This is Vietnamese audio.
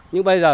nhưng bây giờ